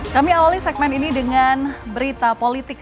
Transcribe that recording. kami awali segmen ini dengan berita politik